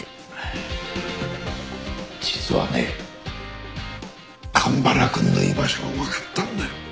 実はね神原くんの居場所がわかったんだよ。